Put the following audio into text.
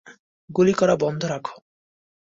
গুলি করা বন্ধ রাখো!